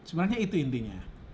sebenarnya itu intinya